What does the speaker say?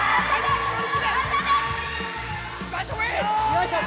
よいしょ！